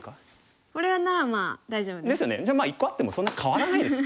じゃあまあ１個あってもそんなに変わらないです。